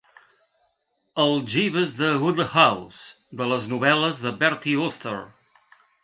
El Jeeves de Wodehouse, de les novel·les de Bertie Wooster.